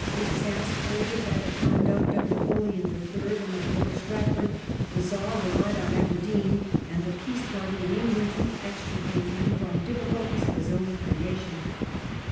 Exasperated by the conduct of Napoleon III. and of Lord Stratford the Czar relied on Aberdeen and the peace party in England to extricate him from difficulties of his own creation.